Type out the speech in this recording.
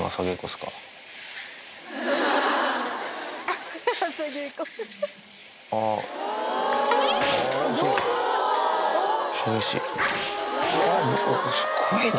すっごいな。